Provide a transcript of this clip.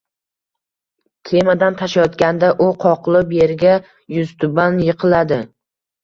Kemadan tushayotganda… u qoqilib, yerga yuztuban yiqiladi